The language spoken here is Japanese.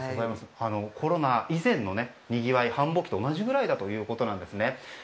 コロナ以前のにぎわい繁忙期と同じくらいだということなんですね。